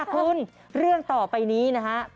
คุณเรื่องต่อไปนี้นะฮะ